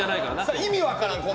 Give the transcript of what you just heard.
意味分からん、これ。